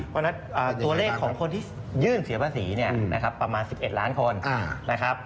วันนั้นตัวเลขของคนที่ยื่นเสียภาษีประมาณ๑๑ล้านคนนะครับ